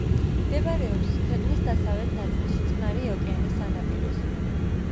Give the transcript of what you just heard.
მდებარეობს ქვეყნის დასავლეთ ნაწილში, წყნარი ოკეანის სანაპიროზე.